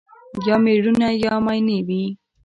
یا مېړونه یا ماينې وي